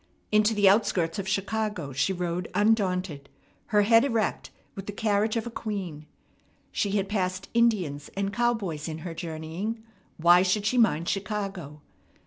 Into the outskirts of Chicago she rode undaunted, her head erect, with the carriage of a queen. She had passed Indians and cowboys in her journeying; why should she mind Chicago?